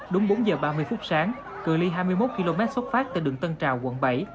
đúng bốn giờ ba mươi phút sáng cửa ly hai mươi một km xuất phát từ đường tân trào quận bảy